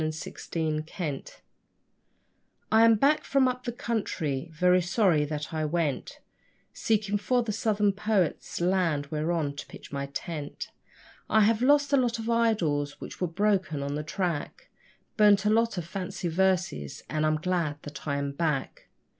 Up the Country I am back from up the country very sorry that I went Seeking for the Southern poets' land whereon to pitch my tent; I have lost a lot of idols, which were broken on the track, Burnt a lot of fancy verses, and I'm glad that I am back.